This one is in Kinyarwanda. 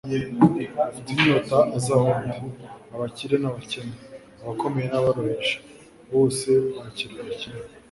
"Ufite inyota aze aho ndi." Abakire n'abakene, abakomeye n'aboroheje bose bakirwa kimwe.